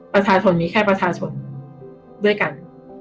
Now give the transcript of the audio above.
ประชาชนมีแค่ประชาชนด้วยกัน